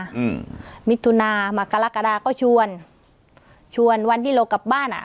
อืมมิถุนามากรกฎาก็ชวนชวนวันที่เรากลับบ้านอ่ะ